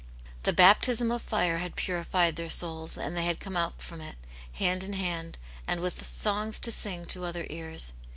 The baptism of fire had puri fied their souls, and they had come out from it, hand in hand, and with songs to sing to other ears.